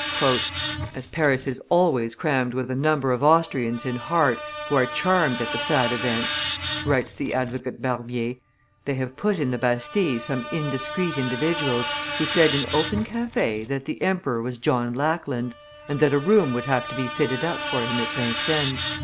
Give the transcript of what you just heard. "As Paris is always crammed with a number of Austrians in heart who are charmed at the sad events," writes the advocate Barbier, "they have put in the Bastille some indiscreet individuals who said in open cafe that the emperor was John Lackland, and that a room would have to be fitted up for him at Vincennes.